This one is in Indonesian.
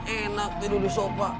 enak tidur di sofa